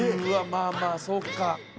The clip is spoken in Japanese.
まあまあそっか。